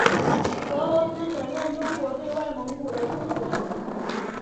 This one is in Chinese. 俄罗斯承认中国对外蒙古的宗主权。